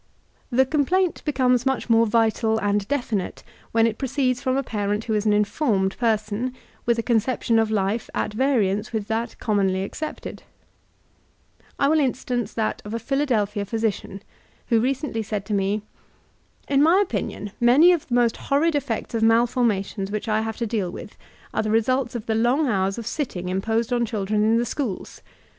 The complamt becomes much more vital and definite when it proceeds from a parent who is an informed per son, with a conception of life at variance with that com monly accepted I will instance that of a Philadelphia physician, who recently said to me : ''In my opinion many of the most horrid effects of malformations which I have to deal with, are the results of the long hours of sitting imposed on children in the schools.